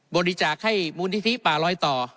บริจาคให้มูลนิธิป่าลอยต่อ